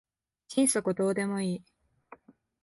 心底どうでもいい